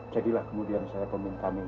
jadilah kemudian saya pemintam ini